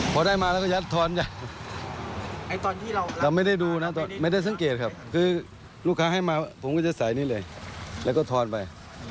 พอได้มาแล้วก็ยัดทอนจ้ะตอนที่เราไม่ได้ดูนะไม่ได้สังเกตครับคือลูกค้าให้มาผมก็จะใส่นี่เลยแล้วก็ทอนไป